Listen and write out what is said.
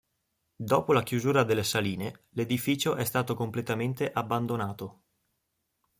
Dopo la chiusura delle saline, l'edificio è stato completamente abbandonato.